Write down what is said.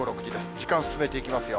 時間進めていきますよ。